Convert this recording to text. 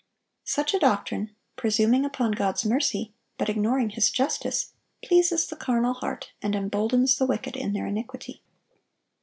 Such a doctrine, presuming upon God's mercy, but ignoring His justice, pleases the carnal heart, and emboldens the wicked in their iniquity.